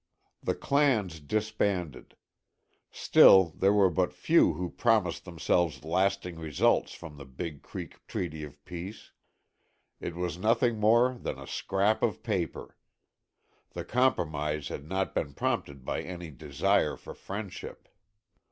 The clans disbanded. Still, there were but few who promised themselves lasting results from the Big Creek Treaty of Peace. It was nothing more than a scrap of paper. The compromise had not been prompted by any desire for friendship.